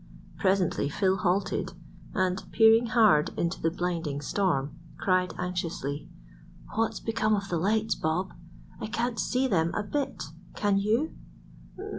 Presently Phil halted, and, peering hard into the blinding storm, cried anxiously,— "What's become of the lights, Bob? I can't see them a bit; can you?"